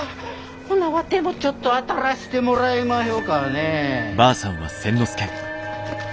ほなわてもちょっとあたらしてもらいまひょかね。